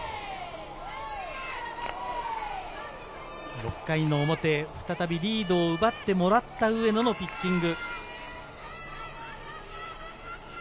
６回の表、再びリードを奪ってもらった上野のピッチング。